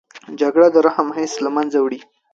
جګړه د رحم حس له منځه وړي